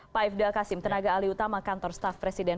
pak ifdal kasim tenaga alih utama kantor staff presiden